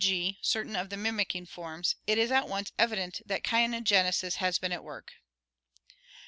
g., certain of the mimicking forms, it is at once evident that caenogenesis has been at work.